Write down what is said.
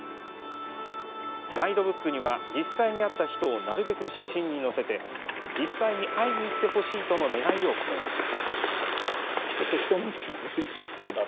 ガイドブックには実際に会った人をなるべく写真に載せて実際に会いに行ってほしいとの願いを込めました。